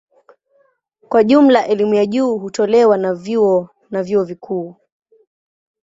Kwa jumla elimu ya juu hutolewa na vyuo na vyuo vikuu.